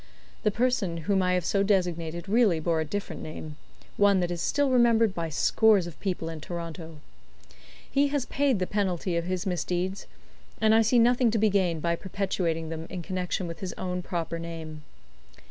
The person whom I have so designated really bore a different name one that is still remembered by scores of people in Toronto. He has paid the penalty of his misdeeds, and I see nothing to be gained by perpetuating them in connection with his own proper name.